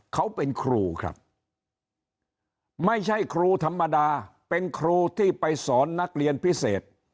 เขาเป็นครูครับไม่ใช่ครูธรรมดาเป็นครูที่ไปสอนนักเรียนพิเศษ